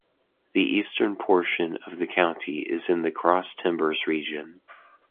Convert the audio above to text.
The eastern portion of the county is in the Cross Timbers region.